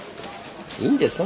いいんですか？